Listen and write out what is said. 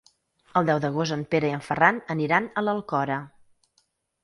El deu d'agost en Pere i en Ferran aniran a l'Alcora.